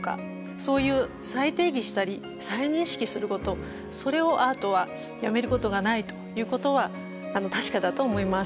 そういう再定義したり再認識することそれをアートはやめることがないということは確かだと思います。